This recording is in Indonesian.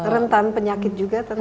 rentan penyakit juga tentu